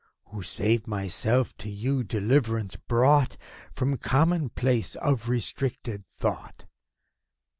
Who, save myself, to you deliverance brought From commonplaces of restricted thought?